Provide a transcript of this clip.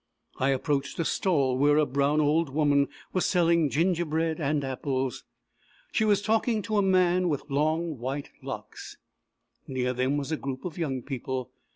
I approached a stall where a brown old woman was selling gingerbread and apples. She was talking to a man with long, white locks. Near them was a group of young people.